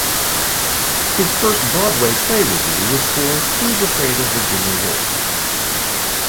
His first Broadway play review was for Who's Afraid of Virginia Woolf?